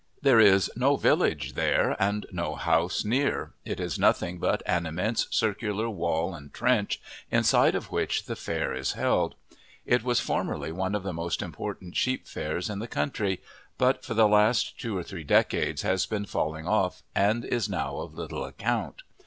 There is no village there and no house near; it is nothing but an immense circular wall and trench, inside of which the fair is held. It was formerly one of the most important sheep fairs in the country, but for the last two or three decades has been falling off and is now of little account.